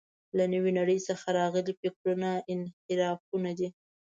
له نوې نړۍ څخه راغلي فکرونه انحرافونه دي.